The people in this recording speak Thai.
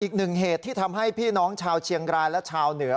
อีกหนึ่งเหตุที่ทำให้พี่น้องชาวเชียงรายและชาวเหนือ